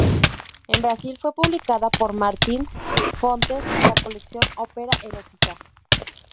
En Brasil fue publicada por Martins Fontes en la colección Opera Erotica.